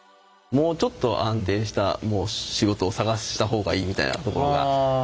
「もうちょっと安定した仕事を探したほうがいい」みたいなところが。